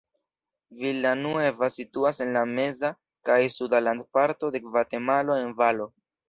Villa Nueva situas en la meza kaj suda landparto de Gvatemalo en valo.